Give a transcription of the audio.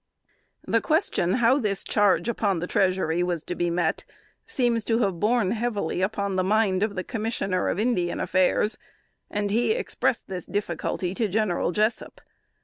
The question how this charge upon the treasury was to be met, seems to have borne heavily upon the mind of the Commissioner of Indian Affairs, and he expressed this difficulty to General Jessup.